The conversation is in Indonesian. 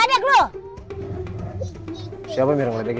udah kelihatan mukanya pada pengen ledek gua